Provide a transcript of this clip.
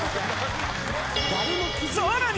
さらに！